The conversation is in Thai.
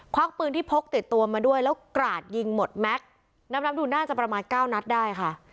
วักปืนที่พกติดตัวมาด้วยแล้วกราดยิงหมดแม็กซ์นับนับดูน่าจะประมาณเก้านัดได้ค่ะ